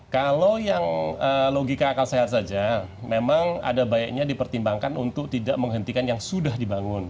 kalau yang logika akal sehat saja memang ada baiknya dipertimbangkan untuk tidak menghentikan yang sudah dibangun